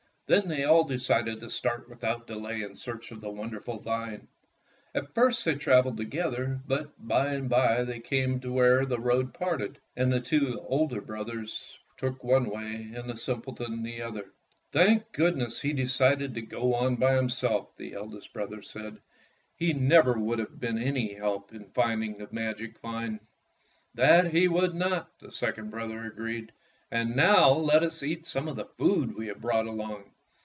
Then they all decided to start without delay in search of the wonderful vine. At first they traveled together, but by and by they came to where the road parted, and the two elder brothers took one way, and the simpleton the other. ''Thank goodness he decided to go on by himself !" the eldest brother said. '' He never 38 Fairy Tale Foxes would have been of any help in finding the magic vine/' "That he would not," the second brother agreed, "and now let us eat some of the food we have brought along."